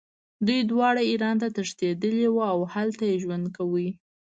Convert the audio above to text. دوی دواړه ایران ته تښتېدلي وو او هلته یې ژوند کاوه.